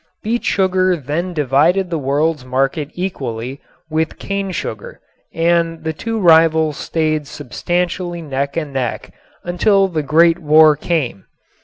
Beet sugar then divided the world's market equally with cane sugar and the two rivals stayed substantially neck and neck until the Great War came.